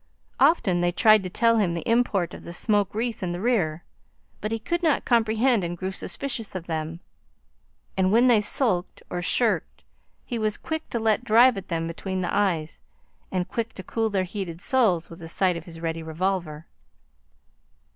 Often they tried to tell him the import of the smoke wreath in the rear, but he could not comprehend and grew suspicious of them. And when they sulked or shirked, he was quick to let drive at them between the eyes, and quick to cool their heated souls with sight of his ready revolver.